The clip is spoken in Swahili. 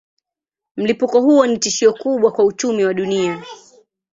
Mlipuko huo ni tishio kubwa kwa uchumi wa dunia.